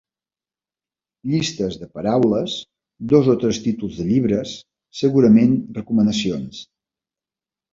Llistes de paraules, dos o tres títols de llibres, segurament recomanacions.